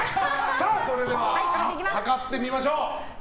それでは、量ってみましょう。